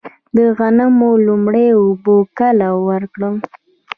د غنمو لومړۍ اوبه کله ورکړم؟